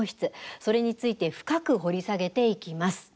それについて深く掘り下げていきます。